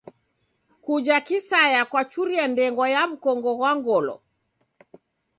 Kuja kisaya kwachuria ndengwa ya w'ukongo ghwa ngolo.